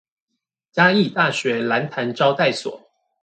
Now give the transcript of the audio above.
嘉義大學蘭潭招待所